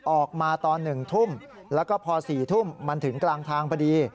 ออกมาตอน๑ทุ่มแล้วก็พอ๔ทุ่มมันถึงกลางทางพอดี